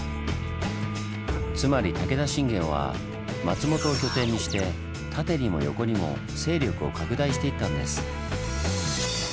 つまり武田信玄は松本を拠点にして縦にも横にも勢力を拡大していったんです。